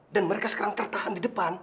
dan mereka sekarang tertahan di depan